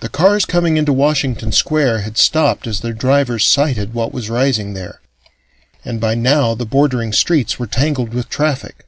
The cars coming into Washington Square had stopped as their drivers sighted what was rising there, and by now the bordering streets were tangled with traffic.